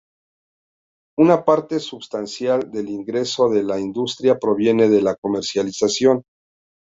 Una parte substancial del ingreso de la industria proviene de la comercialización.